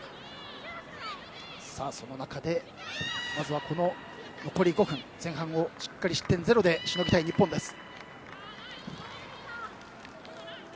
その中で、まずは前半をしっかり失点ゼロでしのぎたい日本です。